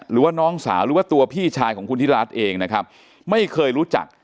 หรือว่าน้องสาวหรือว่าตัวพี่ชายของคุณธิรัติเองนะครับไม่เคยรู้จัก